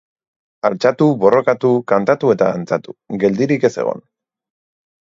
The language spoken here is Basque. Altxatu, borrokatu, kantatu eta dantzatu, geldirik ez egon.